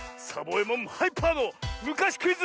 えもんハイパーのむかしクイズ